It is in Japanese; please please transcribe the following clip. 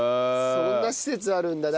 そんな施設あるんだな。